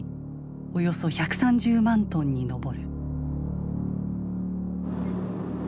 およそ１３０万トンに上る。